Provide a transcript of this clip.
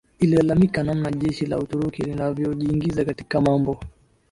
ililalamika namna jeshi la Uturuki linavojiingiza katika mambo